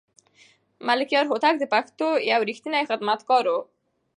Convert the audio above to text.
ملکیار هوتک د پښتو یو رښتینی خدمتګار و.